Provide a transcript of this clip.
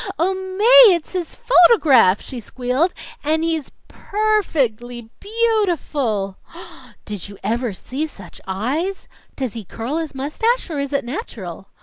"Oh, Mae, it's his photograph!" she squealed. "And he's per fect ly beau ti ful!" "Did you ever see such eyes!" "Does he curl his mustache, or it is natural?"